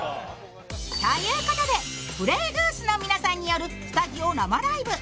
ということでＰｌａｙ．Ｇｏｏｓｅの皆さんによるスタジオ生ライブ。